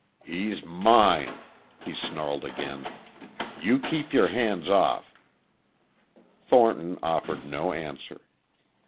"He's mine," he snarled again. "You keep your hands off." Thornton offered no answer.